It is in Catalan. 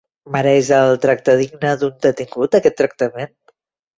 Mereix el tracte digne d'un detingut aquest tractament?